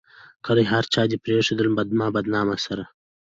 کلي هر چا دې پريښودلي ما بدنامه سره